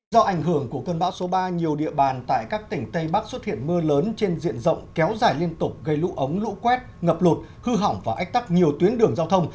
do ảnh hưởng của cơn bão số ba nhiều địa bàn tại các tỉnh tây bắc xuất hiện mưa lớn trên diện rộng kéo dài liên tục gây lũ ống lũ quét ngập lụt hư hỏng và ách tắc nhiều tuyến đường giao thông